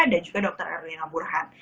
dan juga dokter erlina burhan